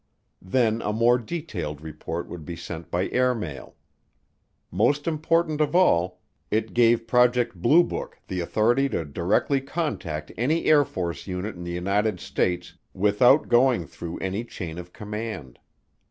Then a more detailed report would be sent by airmail. Most important of all, it gave Project Blue Book the authority to directly contact any Air Force unit in the United States without going through any chain of command.